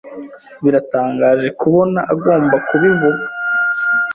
Biratangaje kubona agomba kubivuga.